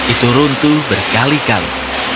itu runtuh berkali kali